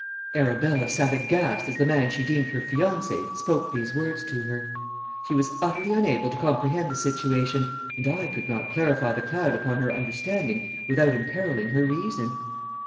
"Arabella sat aghast as the man she deemed her fiancé spoke these words to her. She was utterly unable to comprehend the situation, and I could not clarify the cloud upon her understanding without imperilling her reason.